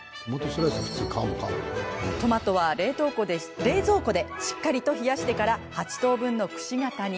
トマトは冷蔵庫でしっかりと冷やしてから、８等分のくし形に。